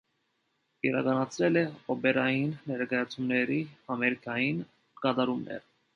Իրականացրել է օպերային ներկայացումների համերգային կատարումներ։